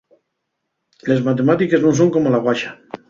Les matemátiques nun son como la Guaxa.